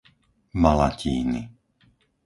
Malatíny